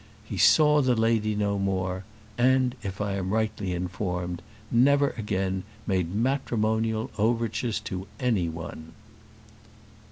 He saw the lady no more; and, if I am rightly informed, never again made matrimonial overtures to any one.